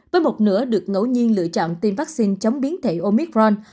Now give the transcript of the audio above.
với một nửa được ngẫu nhiên lựa chọn tiêm vaccine chống biến thể omicron